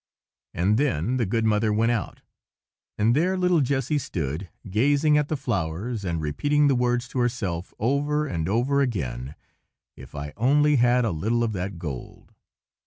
And then the good mother went out, and there little Jessy stood, gazing at the flowers, and repeating the words to herself, over and over again,— "If I only had a little of that gold!"